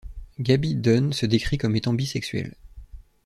Gaby Dunn se décrit comme étant bisexuelle.